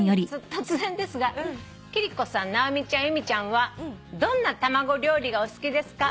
「突然ですが貴理子さん直美ちゃん由美ちゃんはどんな卵料理がお好きですか？」